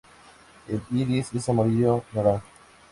El iris es amarillo naranja.